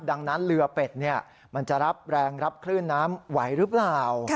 ดังนั้นเรือเป็ดมันจะรับแรงรับคลื่นน้ำไหวหรือเปล่า